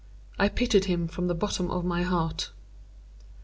I pitied him from the bottom of my heart.